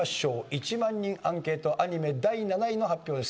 １万人アンケートアニメ第７位の発表です。